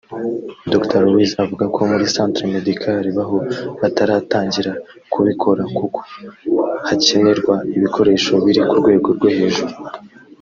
Dr Luis avuga ko muri Centre Mediacal Baho bataratangira kubikora kuko hakenerwa ibikoresho biri ku rwego rwo hejuru